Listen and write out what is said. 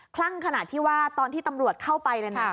ลั่งขนาดที่ว่าตอนที่ตำรวจเข้าไป